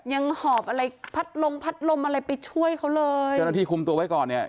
หอบอะไรพัดลมพัดลมอะไรไปช่วยเขาเลยเจ้าหน้าที่คุมตัวไว้ก่อนเนี่ย